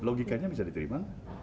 logikanya bisa diterima